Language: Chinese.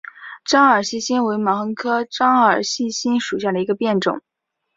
獐耳细辛为毛茛科獐耳细辛属下的一个变种。